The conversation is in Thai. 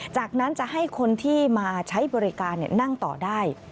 จากนั้นจะให้คนที่มาใช้บริการนั่งต่อได้